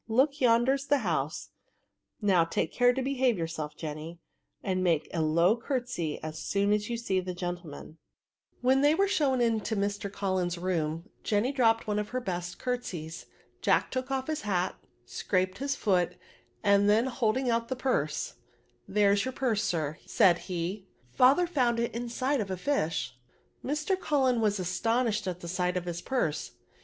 Look, yonder's the house ; now take care to behave yourself, Jenny, and make a low curtesy as so<m as you see the gentleman." When they were shown into Mr. Cullen' 68 VSRB8. room^ Jenny dropped one of her best curt* seys. Jack took off his hat^ scraped his foot^ and then holding out the purse —" There's your purse, sir," said he; " father found it inside of a fish/' Mr. Cullen was astonished at the sight of his purse.